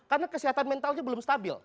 karena kesehatan mentalnya belum stabil